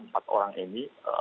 empat orang ini